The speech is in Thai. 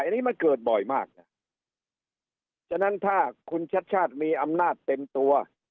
อันนี้มันเกิดบ่อยมากนะฉะนั้นถ้าคุณชัดชาติมีอำนาจเต็มตัว